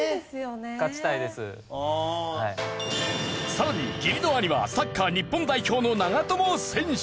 さらに義理の兄はサッカー日本代表の長友選手。